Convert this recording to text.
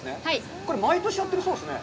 これ、毎年やってるそうですね？